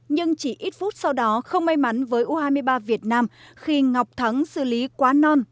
nhưng chỉ ít phút sau đó không may mắn với u hai mươi ba việt nam khi ngọc thắng xử lý quá non